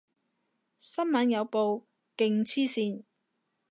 新聞有報，勁黐線